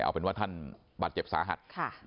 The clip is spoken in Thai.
เอาเป็นว่าท่านบาดเจ็บสาหัส